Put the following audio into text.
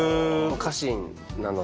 家臣なので。